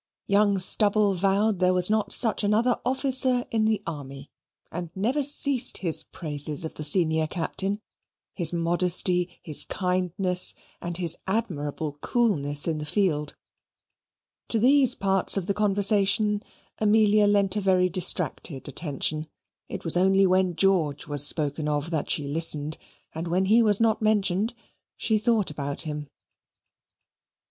Young Stubble vowed there was not such another officer in the army, and never ceased his praises of the senior captain, his modesty, his kindness, and his admirable coolness in the field. To these parts of the conversation, Amelia lent a very distracted attention: it was only when George was spoken of that she listened, and when he was not mentioned, she thought about him.